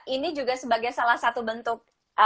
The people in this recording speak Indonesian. ini juga sebagai salah satu bentuk